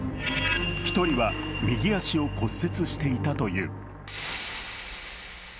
１人は右足を骨折していたという。